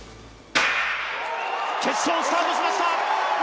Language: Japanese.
決勝スタートしました。